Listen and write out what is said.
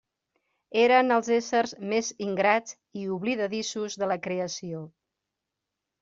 Eren els éssers més ingrats i oblidadissos de la creació.